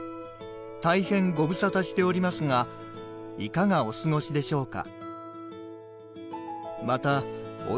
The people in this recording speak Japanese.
大変ご無沙汰しておりますがいかがお過ごしでしょうか」